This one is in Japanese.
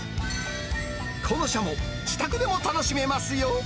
このシャモ、自宅でも楽しめますよ。